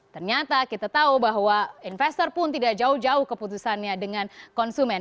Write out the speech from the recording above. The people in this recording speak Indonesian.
ternyata kita tahu bahwa investor pun tidak jauh jauh keputusannya dengan konsumen